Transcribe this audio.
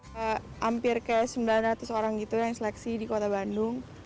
hampir kayak sembilan ratus orang gitu yang seleksi di kota bandung